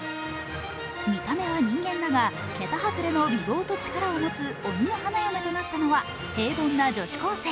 見た目は人間だが、桁外れの美貌と力を持つ鬼の花嫁となったのは、平凡な女子高生。